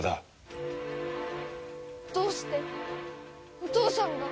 どうしてお父さんが？